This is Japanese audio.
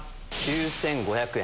９５００円。